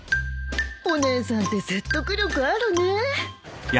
お姉さんって説得力あるね。